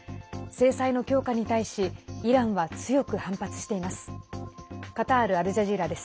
制裁の強化に対しイランは強く反発しています。